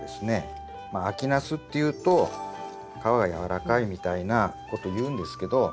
秋ナスっていうと皮がやわらかいみたいなこというんですけど。